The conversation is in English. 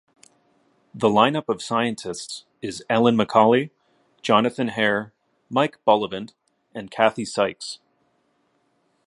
The line-up of scientists is Ellen McCallie, Jonathan Hare, Mike Bullivant, and Kathy Sykes.